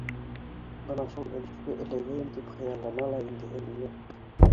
Бына шул өлөшкә эләгәйем тип хыяллана ла инде Әмилә.